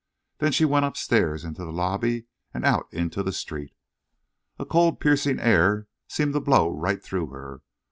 Then she went upstairs into the lobby and out into the street. A cold, piercing air seemed to blow right through her.